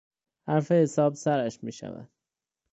حرف حساب سرش میشود.